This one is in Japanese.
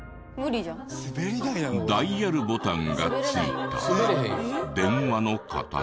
ダイヤルボタンが付いた電話の形。